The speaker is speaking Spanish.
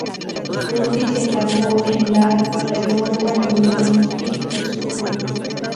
Purdy se graduó en la "Redondo Union High School".